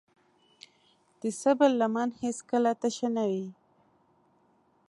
د صبر لمن هیڅکله تشه نه وي.